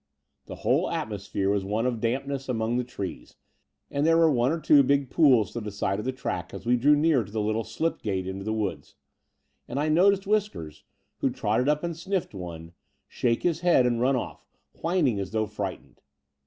The whole atmosphere was one of dampness amongst the trees, and there were one or two big pools to the side of the track as we drew near to the little slip gate into the woods; and I noticed Whiskers, who trotted up and sniffed one, shake his head and rtm oflf, whining as though frightened.